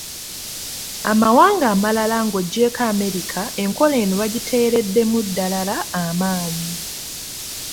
Amawanga amalala ng’oggyeeko Amerika enkola eno bagiteereddemu ddalala amaanyi.